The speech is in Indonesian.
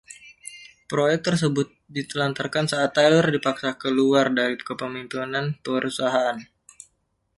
Proyek tersebut ditelantarkan saat Taylor dipaksa keluar dari kepemimpinan perusahaan.